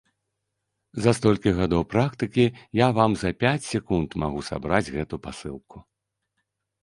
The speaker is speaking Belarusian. За столькі гадоў практыкі я вам за пяць секунд магу сабраць гэту пасылку.